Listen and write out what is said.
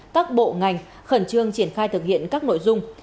các bộ ngành khẩn trương triển khai thực hiện các nội dung